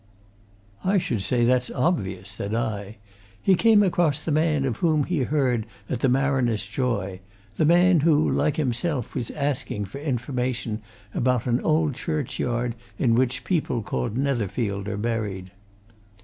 "I should say that's obvious," said I. "He came across the man of whom he heard at the Mariner's Joy the man who, like himself, was asking for information about an old churchyard in which people called Netherfield are buried."